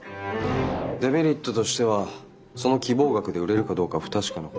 デメリットとしてはその希望額で売れるかどうか不確かなこと。